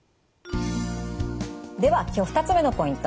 では今日２つ目のポイント。